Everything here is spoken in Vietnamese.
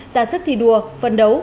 giả sức thi đua phấn đấu